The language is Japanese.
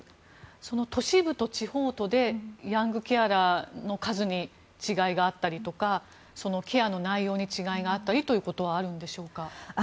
その都市部と地方とでヤングケアラーの数に違いがあったりとかケアの内容に違いがあったりということはあるんでしょうか？